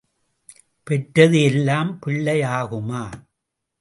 பெற்றது எல்லாம் பிள்ளை ஆகுமா?